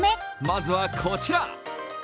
まずはこちら。